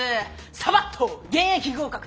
サバっと現役合格です。